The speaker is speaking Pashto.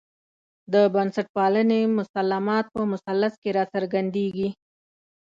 د بنسټپالنې مسلمات په مثلث کې راڅرګندېږي.